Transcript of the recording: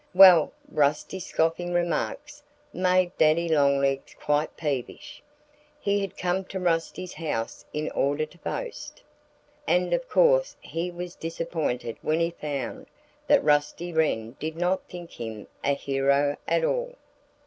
Well, Rusty's scoffing remarks made Daddy Longlegs quite peevish. He had come to Rusty's house in order to boast. And of course he was disappointed when he found that Rusty Wren did not think him a hero at all.